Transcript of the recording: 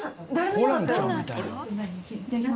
ホランちゃんみたいな。